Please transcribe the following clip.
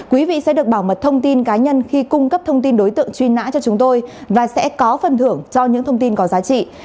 quý vị sẽ được bảo mật thông tin cá nhân khi cung cấp thông tin đối tượng truy nã cho chúng tôi và sẽ có phần thưởng cho những thông tin có giá trị